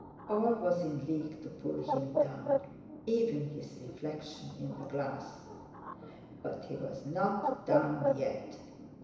All was in league to pull him down, even his reflection in the glass, but he was not down—yet!